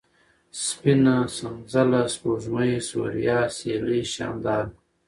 سپينه ، سنځله ، سپوږمۍ ، سوریا ، سېلۍ ، شانداره